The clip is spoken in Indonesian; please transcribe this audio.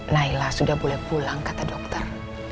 naila sudah boleh pulang kata dokter